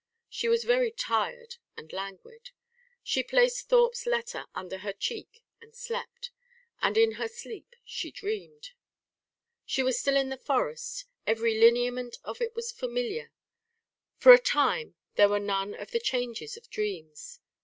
She was very tired and languid. She placed Thorpe's letter under her cheek and slept; and in her sleep she dreamed. She was still in the forest: every lineament of it was familiar. For a time there were none of the changes of dreams.